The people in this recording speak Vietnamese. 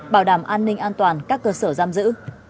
bảo đảm an ninh an toàn các cơ sở giam giữ